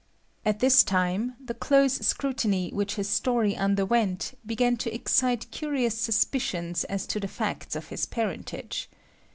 At this time, the close scrutiny which his story underwent began to excite curious suspicions as to the facts of his parentage.